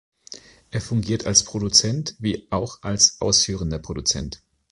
Er fungiert als Produzent wie auch als ausführender Produzent.